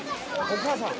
お母さん。